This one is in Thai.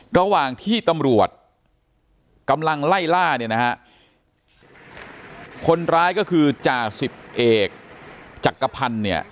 ระหว่างที่ตำรวจกำลังไล่ล่าคนร้ายก็คือจาก๑๑จักรพรรณ